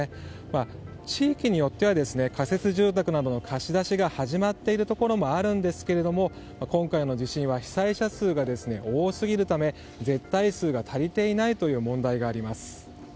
地域によっては仮設住宅などの貸し出しが始まっているところもあるんですけれども今回の地震は被災者数が多すぎるため絶対数が足りていないという問題があります。